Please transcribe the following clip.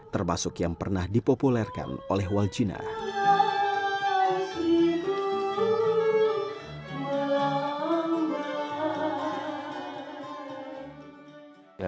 termasuk yang pernah dipopulerkan oleh waljina